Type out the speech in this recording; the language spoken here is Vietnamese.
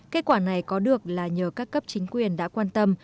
kết quả này có được là nhờ các cấp chính quyền đã quan tâm